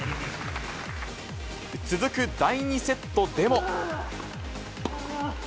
続く第２セットでも。